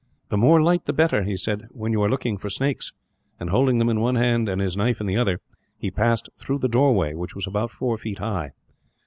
"The more light the better," he said, "when you are looking for snakes," and, holding them in one hand and his knife in the other, he passed through the doorway, which was about four feet high.